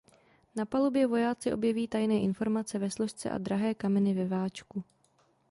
Na palubě vojáci objeví tajné informace ve složce a drahé kameny ve váčku.